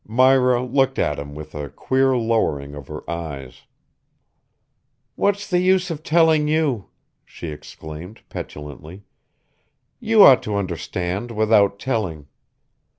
Myra looked at him with a queer lowering of her eyes. "What's the use of telling you?" she exclaimed petulantly. "You ought to understand without telling.